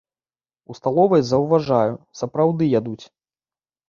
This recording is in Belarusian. У сталовай заўважаю, сапраўды ядуць.